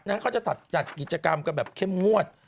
นางก็จะจัดกิจกรรมแบบเข้มงวด